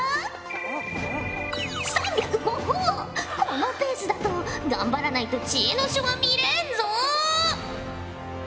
このペースだと頑張らないと知恵の書は見れんぞ！